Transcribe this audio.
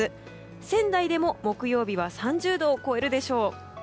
仙台でも木曜日は３０度を超えるでしょう。